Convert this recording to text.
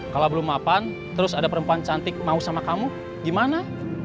kalau belum mapan terus ada perempuan cantik mau sama kamu gimana